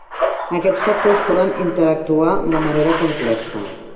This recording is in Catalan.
Aquests factors poden interactuar de manera complexa.